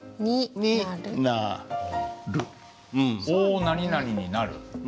「お何々になる」。